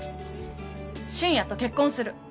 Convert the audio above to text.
俊也と結婚する。